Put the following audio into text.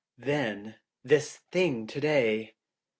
'"THEN this thing today!